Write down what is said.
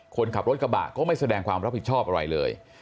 คนขับรถกระบะก็ไม่แสดงความรับผิดชอบอะไรเลย